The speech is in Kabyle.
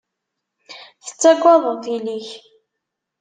Tettaggadeḍ tili-k.